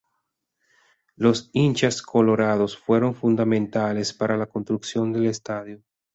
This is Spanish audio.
Los hinchas colorados fueron fundamentales para la construcción del Estadio.